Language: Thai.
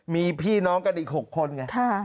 มีพี่น้องกันอีก๖คนไง